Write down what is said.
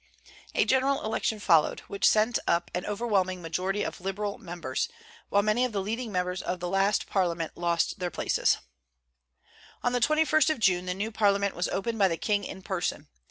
A general election followed, which sent up an overwhelming majority of Liberal members, while many of the leading members of the last Parliament lost their places. On the 21st of June the new Parliament was opened by the king in person.